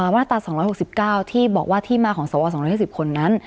มาตรา๒๖๙ที่บอกว่าที่มาของสว๒๕๐คนนั้น